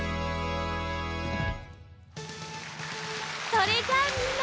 それじゃあみんな！